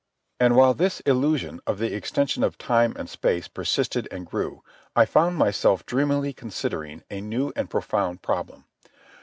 And while this illusion of the extension of time and space persisted and grew, I found myself dreamily considering a new and profound problem.